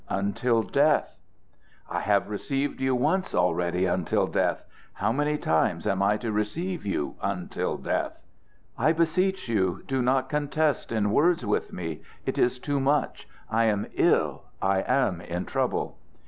"Until death." "I have received you once already until death. How many times am I to receive you until death?" "I beseech you do not contest in words with me. It is too much. I am ill. I am in trouble."